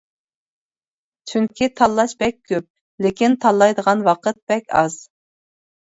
چۈنكى تاللاش بەك كۆپ لېكىن تاللايدىغان ۋاقىت بەك ئاز.